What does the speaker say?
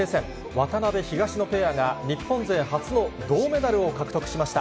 渡辺・東野ペアが、日本勢初の銅メダルを獲得しました。